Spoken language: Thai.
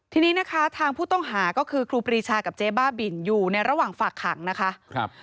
ทีนี้นะคะทางผู้ต้องหาก็คือครูปรีชากับเจ๊บ้าบินอยู่ในระหว่างฝากขังนะคะ